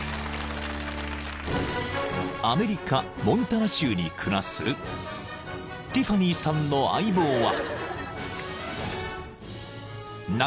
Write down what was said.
［アメリカモンタナ州に暮らすティファニーさんの相棒は］